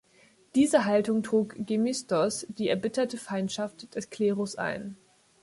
Diese Haltung trug Gemistos die erbitterte Feindschaft des Klerus ein.